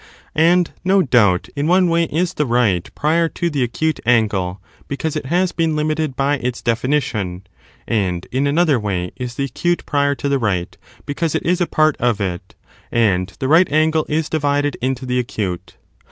15. Illustrated ^^^^^^ doubt, in ouc wBj is the right prior to in the case of the acutc angle, because it has been limited by ar^Tan^gie. ^^ definition, and in another way is the acute prior to the right, because it is a part of it, and the right angle is divided into the acute.